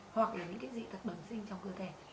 hoặc là những dị tật bẩn sinh trong cơ thể